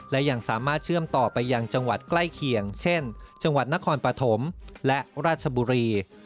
และยังสามารถเชื่อมต่อไปยังจังหวัดใกล้เคียงเช่นจังหวัดนครปฐมและราชบุรี